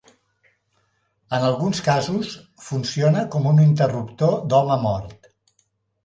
En alguns casos, funciona com un interruptor d'home mort.